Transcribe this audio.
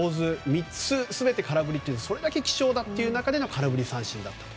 ３つ全て空振りはそれだけ貴重だという中で空振り三振だったと。